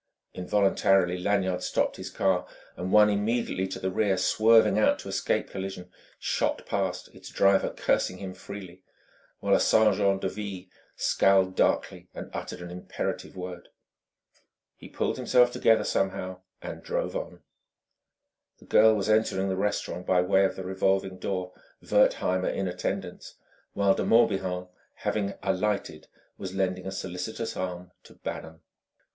Involuntarily Lanyard stopped his car; and one immediately to the rear, swerving out to escape collision, shot past, its driver cursing him freely; while a sergent de ville scowled darkly and uttered an imperative word. He pulled himself together, somehow, and drove on. The girl was entering the restaurant by way of the revolving door, Wertheimer in attendance; while De Morbihan, having alighted, was lending a solicitous arm to Bannon.